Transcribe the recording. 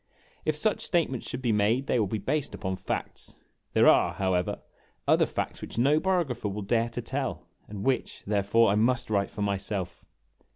If such statements should be made, they will be based upon facts. There are, however, other facts which no biographer will dare to tell, and which, therefore, I must write for myself.